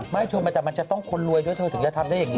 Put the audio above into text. เธอแต่มันจะต้องคนรวยด้วยเธอถึงจะทำได้อย่างนี้